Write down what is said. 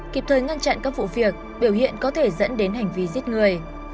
kịp thời ngăn chặn các vụ việc biểu hiện có thể dẫn đến hành vi giết người